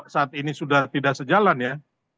saat ini sudah tidak sejalan ya